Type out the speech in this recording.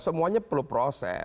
semuanya perlu proses